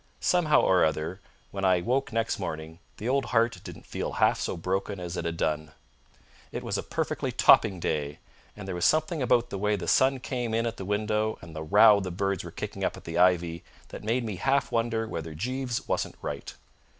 Somehow or other, when I woke next morning the old heart didn't feel half so broken as it had done. It was a perfectly topping day, and there was something about the way the sun came in at the window and the row the birds were kicking up in the ivy that made me half wonder whether Jeeves wasn't right.